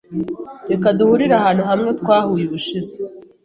Reka duhurire ahantu hamwe twahuye ubushize.